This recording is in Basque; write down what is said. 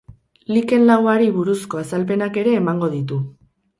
Liken lauari buruzko azalpenak ere emango ditu.